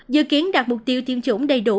dự kiến đạt mục tiêu tiêm chủng đầy đủ